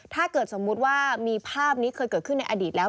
ถ้าเกิดสมมุติว่ามีภาพนี้เคยเกิดขึ้นในอดีตแล้ว